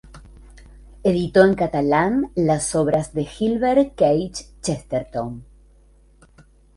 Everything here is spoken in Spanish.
Editó en catalán las obras de Gilbert Keith Chesterton.